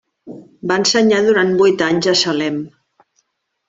Va ensenyar durant vuit anys a Salem.